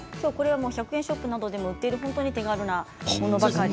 １００円ショップなどでも売っている手軽なものばかりです。